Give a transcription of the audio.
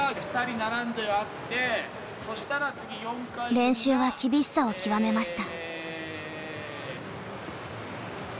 練習は厳しさを極めました。